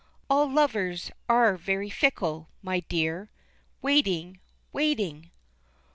All lovers are very fickle, my dear, Waiting, waiting!